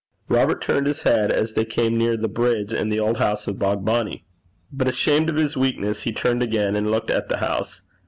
Robert turned his head aside as they came near the bridge and the old house of Bogbonnie. But, ashamed of his weakness, he turned again and looked at the house.